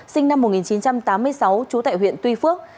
sinh năm một nghìn chín trăm tám mươi sáu trú tại huyện tuy phước